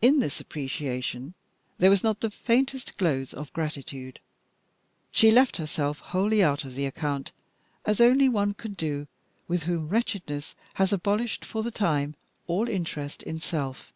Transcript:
In this appreciation there was not the faintest glows of gratitude. She left herself wholly out of the account as only one could do with whom wretchedness has abolished for the time all interest in self.